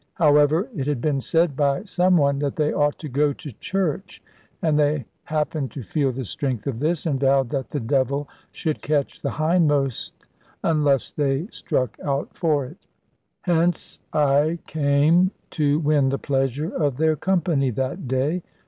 However, it had been said by some one, that they ought to go to church; and they happened to feel the strength of this, and vowed that the devil should catch the hindmost, unless they struck out for it. Hence I came to win the pleasure of their company, that day.